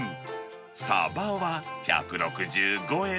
サバは１６５円。